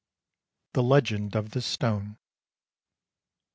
THE LEGEND OF THE STONE.